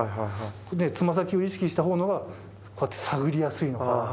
つま先を意識したほうのがこうやって探りやすいのか。